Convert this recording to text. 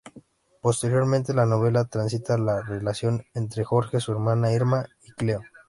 Posteriormente la novela transita la relación entre Jorge, su hermana Irma, y Cleo.